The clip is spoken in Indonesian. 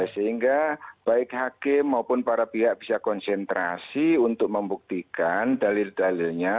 sehingga baik hakim maupun para pihak bisa konsentrasi untuk membuktikan dalil dalilnya